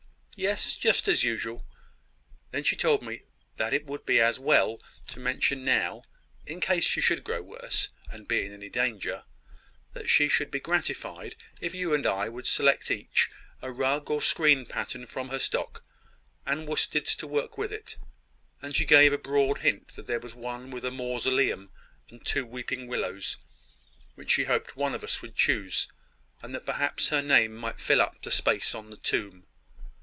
"Yes; just as usual. Then she told me that it would be as well to mention now, in case she should grow worse, and be in any danger, that she should be gratified if you and I would select each a rug or screen pattern from her stock, and worsteds to work it with: and she gave a broad hint that there was one with a mausoleum and two weeping willows, which she hoped one of us would choose; and that perhaps her name might fill up the space on the tomb.